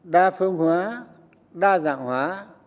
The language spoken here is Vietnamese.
đa phương hóa đa dạng hóa